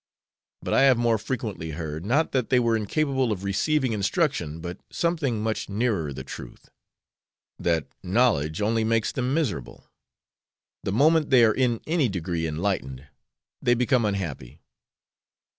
But I have more frequently heard, not that they were incapable of receiving instruction, but something much nearer the truth that knowledge only makes them miserable: the moment they are in any degree enlightened, they become unhappy.